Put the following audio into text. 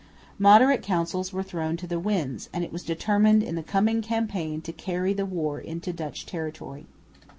Moderate counsels were thrown to the winds; and it was determined in the coming campaign to carry the war into Dutch territory.